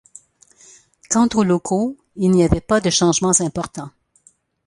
Quant aux locaux il n’y avait pas de changements importants.